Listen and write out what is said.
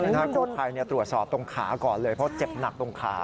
ถ้าคู่ไพสมันรู้ชอบตรงขาก่อนเลยเพราะเจ็บหนักตรงขา